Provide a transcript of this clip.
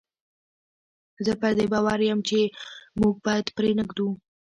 زه پر دې باور یم چې موږ باید پرې نه ږدو.